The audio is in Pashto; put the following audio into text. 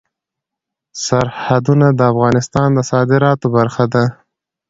سرحدونه د افغانستان د صادراتو برخه ده.